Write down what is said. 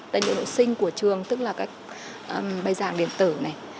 tài liệu nội sinh của trường tức là các bài giảng điện tử này